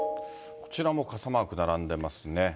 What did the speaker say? こちらも傘マーク並んでますね。